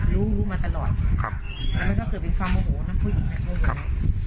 รู้มาตลอดครับแต่ไม่ต้องเกิดเป็นความโมโหนะผู้หญิง